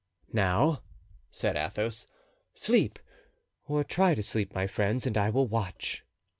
"Now," said Athos, "sleep, or try to sleep, my friends, and I will watch."